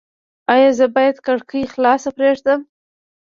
ایا زه باید کړکۍ خلاصه پریږدم؟